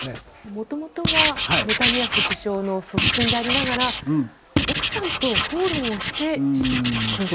元々はネタニヤフ氏の側近でありながら奥さんと口論をして辞職。